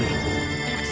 laksa aja mau menangkapku